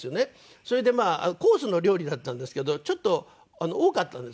それでまあコースの料理だったんですけどちょっと多かったんですね。